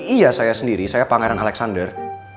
iya saya sendiri saya pangeran alexander